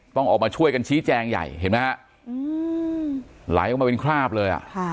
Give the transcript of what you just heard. ต้องออกมาช่วยกันชี้แจงใหญ่เห็นไหมฮะไหลออกมาเป็นคราบเลยอ่ะ